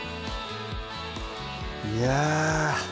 いや